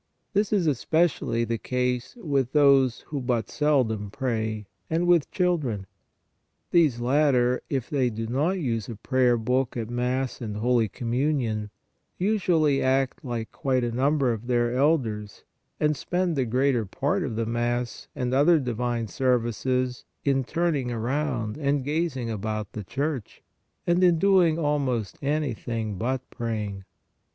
This is especially the case with those who but seldom pray and with children. These latter, if they do not use a prayer book at Mass and holy Communion, usually act like quite a number of their elders and spend the greater part of the Mass and other divine services in turning around and gazing about the church, and in doing almost anything but praying.